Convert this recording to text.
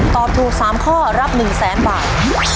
ตอบถูกสามข้อรับหนึ่งแสนบาท